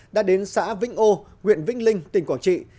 đã đến xã vĩnh âu huyện vĩnh linh tỉnh quảng trị